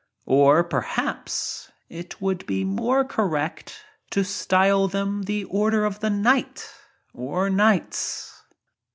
Or, perhaps, it would be more correct to style them the order of the night, or nights.